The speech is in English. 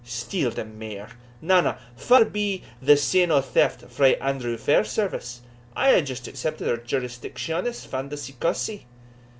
Steal the mear! na, na, far be the sin o' theft frae Andrew Fairservice I have just arrested her _jurisdictionis fandandy causey.